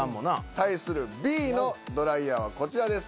対するＢのドライヤーはこちらです。